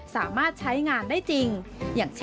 สามารถใช้งานด้วยจริง